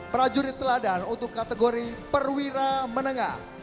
prajurit teladan untuk kategori perwira menengah